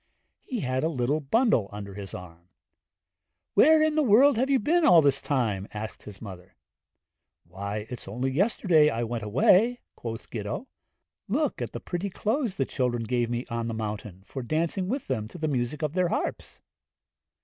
He had a little bundle under his arm. 'Where in the world have you been all this time?' asked the mother, 'Why, it's only yesterday I went away!' quoth Gitto. 'Look at the pretty clothes the children gave me on the mountain, for dancing with them to the music of their harps.'